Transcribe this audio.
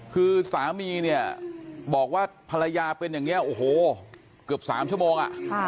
คือสามีเนี่ยบอกว่าภรรยาเป็นอย่างนี้โอ้โหเกือบ๓ชั่วโมง